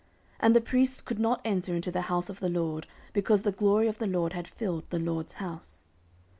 14:007:002 And the priests could not enter into the house of the LORD, because the glory of the LORD had filled the LORD's house.